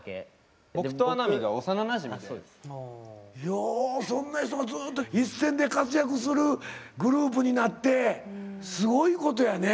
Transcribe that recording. ようそんな人がずっと一線で活躍するグループになってすごいことやね。